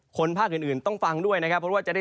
ภาคอื่นต้องฟังด้วยนะครับเพราะว่าจะได้